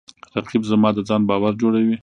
رقیب زما د ځان باور جوړوي